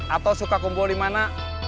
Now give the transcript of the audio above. atau suka kumpul dimana